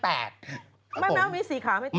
แมวมีสี่ขาไม่เท่าไหร่